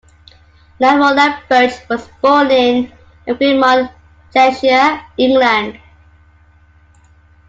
Lamorna Birch was born in Egremont, Cheshire, England.